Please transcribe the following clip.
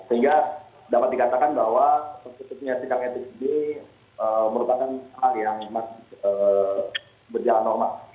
sehingga dapat dikatakan bahwa khususnya sidang etik sendiri merupakan hal yang masih berjalan normal